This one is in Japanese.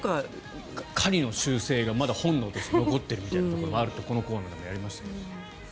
狩りの習性がまだ本能として残っているというのをこのコーナーでやりましたけど。